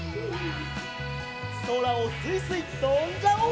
そらをすいすいとんじゃおう！